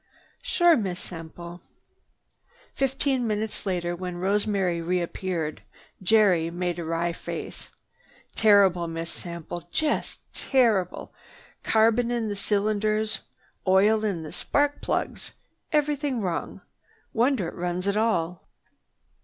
"Sure, Miss Sample." Fifteen minutes later when Rosemary reappeared, Jerry made a wry face. "Terrible, Miss Sample, just terrible! Carbon in the cylinders, oil in the spark plugs, everything wrong! Wonder it runs at all.